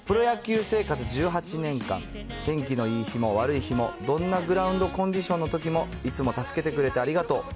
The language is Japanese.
プロ野球生活１８年間、天気のいい日も悪い日も、どんなグラウンドコンディションのときもいつも助けてくれてありがとう。